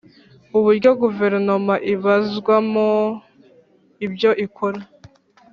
Uburyo guverinoma ibazwamo ibyo ikora